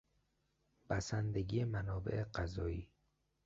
بسندگی منابع غذایی